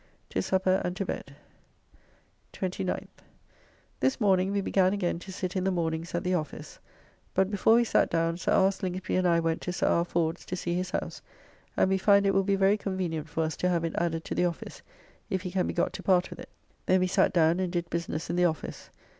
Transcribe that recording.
To supper and to bed. 29th. This morning we began again to sit in the mornings at the office, but before we sat down. Sir R. Slingsby and I went to Sir R. Ford's to see his house, and we find it will be very convenient for us to have it added to the office if he can be got to part with it. Then we sat down and did business in the office.